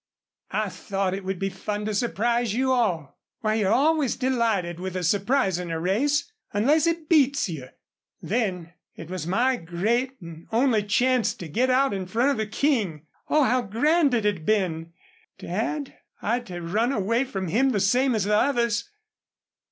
"I thought it would be fun to surprise you all. Why, you're always delighted with a surprise in a race, unless it beats you.... Then, it was my great and only chance to get out in front of the King. Oh, how grand it'd have been! Dad, I'd have run away from him the same as the others!"